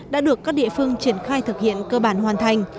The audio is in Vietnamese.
đã được các địa phương triển khai thực hiện cơ bản hoàn thành